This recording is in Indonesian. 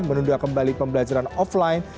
menunda kembali pembelajaran offline